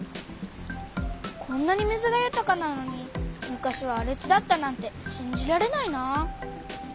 こんなに水がゆたかなのに昔はあれ地だったなんてしんじられないなあ。